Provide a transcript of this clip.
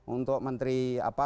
untuk menteri apa